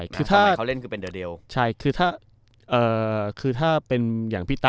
คือถ้าคุณอย่างพี่ตะ